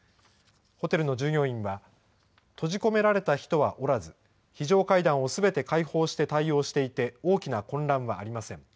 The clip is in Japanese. ホテルの従業員は、閉じ込められた人はおらず、非常階段をすべて開放して対応していて、大きな混乱はありません。